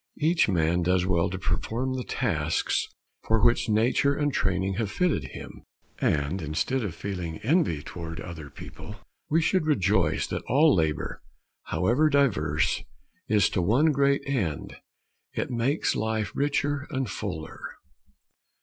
Each man does well to perform the tasks for which nature and training have fitted him. And instead of feeling envy toward other people, we should rejoice that all labor, however diverse, is to one great end it makes life richer and fuller.